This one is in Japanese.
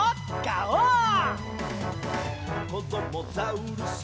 「こどもザウルス